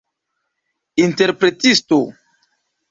interpretisto